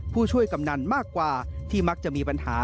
ผู้ช่วยกำนันมากกว่าที่มักจะมีปัญหา